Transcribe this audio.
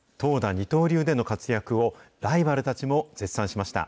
二刀流での活躍をライバルたちも絶賛しました。